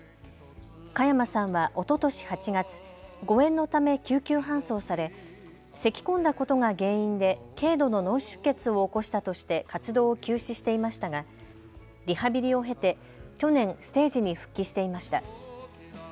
加山さんは、おととし８月、誤えんのため救急搬送されせきこんだことが原因で軽度の脳出血を起こしたとして活動を休止していましたがリハビリを経て去年、ステージに復帰していました。